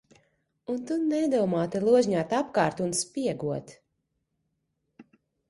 Un tu nedomā te ložņāt apkārt un spiegot.